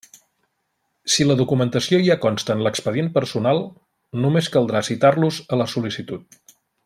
Si la documentació ja consta en l'expedient personal, només caldrà citar-los a la sol·licitud.